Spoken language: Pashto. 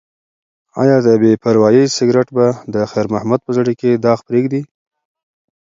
ایا د بې پروایۍ سګرټ به د خیر محمد په زړه کې داغ پریږدي؟